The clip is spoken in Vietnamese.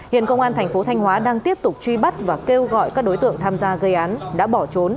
hiện công an thành phố thanh hóa đang tiếp tục truy bắt và kêu gọi các đối tượng tham gia gây án đã bỏ trốn